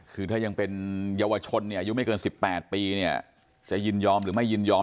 คือถ้ายังเป็นเยาวชนเนี่ยอายุไม่เกิน๑๘ปีเนี่ยจะยินยอมหรือไม่ยินยอม